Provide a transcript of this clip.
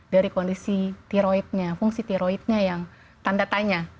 dari kondisi tiroidnya fungsi tiroidnya yang tanda tanya